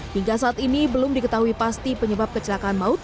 hingga saat ini belum diketahui pasti penyebab kecelakaan maut